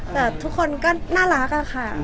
แต่ทุกคนก็น่ารักอะค่ะ